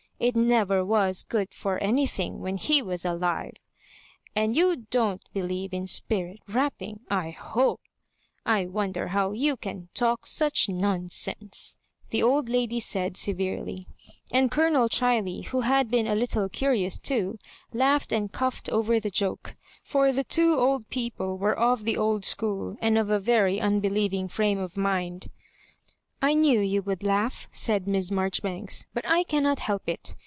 It never was good for anything when he was alive. And you don't believe in spirit rapping, I hope, I wonder how you can talk such nonsense," the old lady said severely. And Colonel Chiley, who had been a little curious too, laughed and coughed over the joke ; for the two old people were of the old school, and t>f a very unbelieving frame of mind. " I knew you would laugh," said Miss Marjori banks, but I cannot help it.